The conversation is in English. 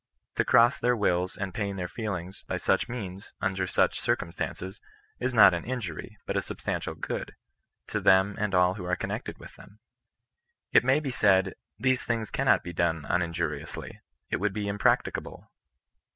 To cross their wills, and pain their feelings, by such means, under such circum stances, is not an injury^ but a substantial good, to them and all who are connected with them. It may be said —*' these things cannot be done uninjuriovdy It would be impracticable."